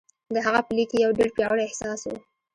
د هغه په ليک کې يو ډېر پياوړی احساس و.